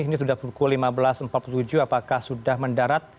ini sudah pukul lima belas empat puluh tujuh apakah sudah mendarat